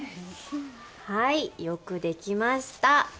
よくできました！